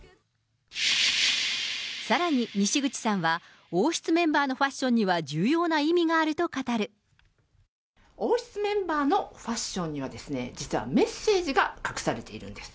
さらに、にしぐちさんは王室メンバーのファッションには重要な意味がある王室メンバーのファッションには、実はメッセージが隠されているんです。